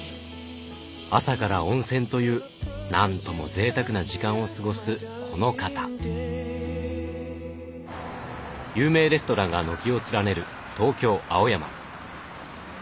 朝から温泉という何ともぜいたくな時間を過ごすこの方有名レストランが軒を連ねる東京・青山。